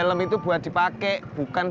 lihat bang ojak